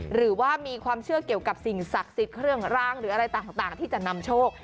หรือว่ามีความเชื่อเกี่ยวกับสิ่งศักดิ์สิทธิ์เครื่องรางหรืออะไรต่างที่จะนำโชค